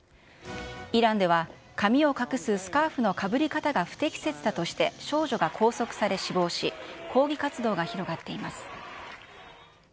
イランでは髪を隠すスカーフのかぶり方が不適切だとして少女が拘束され、死亡し、抗議活動が広がっています。